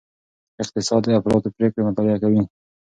اقتصاد د افرادو پریکړې مطالعه کوي.